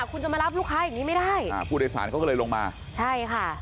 คุณจะมารับลูกค้าอย่างงี้ไม่ได้อ่าผู้โดยสารเขาก็เลยลงมาใช่ค่ะ